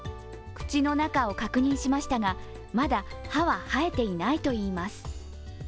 口の中を確認しましたが、まだ歯は生えていないといいます。